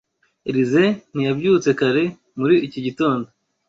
Elyse ntiyabyutse kare muri iki gitondo.